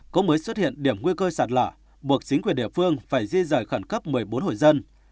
cũng mới xuất hiện điểm nguy cơ sạt lở buộc chính quyền địa phương phải di rời khẩn cấp một mươi bốn hội dân